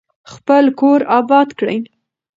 خپل کور اباد کړئ.